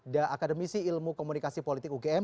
dan akademisi ilmu komunikasi politik ugm